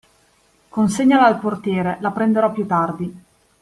Consegnala al portiere, la prenderò piú tardi.